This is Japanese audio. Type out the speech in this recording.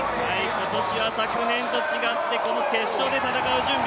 今年は昨年と違ってこの決勝で戦う準備